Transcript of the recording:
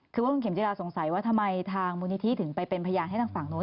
คือว่าคุณเข็มจิราสงสัยว่าทำไมทางมูลนิธิถึงไปเป็นพยานให้ทางฝั่งนู้น